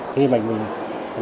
khi mình đưa cái cách